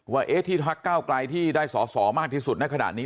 วะเอทที่พักกล้าวกลายที่ได้สอบมากที่สุดค่ะขณะนี้